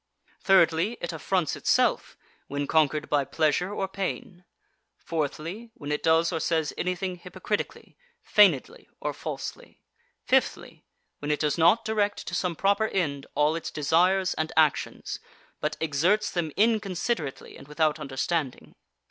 Thirdly, it affronts itself when conquered by pleasure or pain; fourthly, when it does or says anything hypocritically, feignedly or falsely; fifthly, when it does not direct to some proper end all its desires and actions, but exerts them inconsiderately and without understanding.